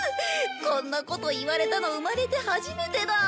こんなこと言われたの生まれて初めてだ。